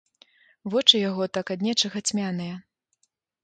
Вочы яго так ад нечага цьмяныя.